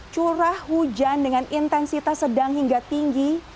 curah hujan dengan intensitas sedang hingga tinggi